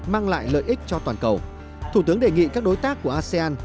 mang lại lợi ích cho toàn cầu thủ tướng đề nghị các đối tác của asean